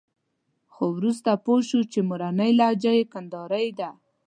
خو وروسته پوه شو چې مورنۍ لهجه یې کندارۍ ده.